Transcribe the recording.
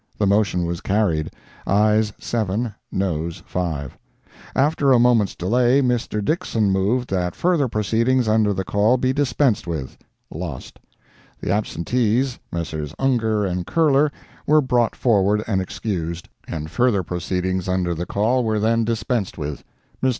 ] The motion was carried—ayes 7, noes 5. After a moment's delay, Mr. Dixson moved that further proceedings under the call be dispensed with. Lost. The absentees, Messrs. Ungar and Curler, were brought forward and excused, and further proceedings under the call were then dispensed with. Mr.